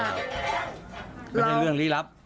ใช่ครับไม่ใช่เรื่องรีรับ